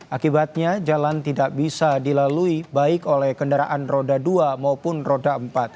akibatnya jalan tidak bisa dilalui baik oleh kendaraan roda dua maupun roda empat